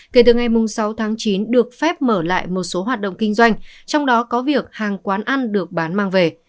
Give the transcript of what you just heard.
kể từ ngày sáu tháng chín được phép mở lại một số hoạt động kinh doanh trong đó có việc hàng quán ăn được bán mang về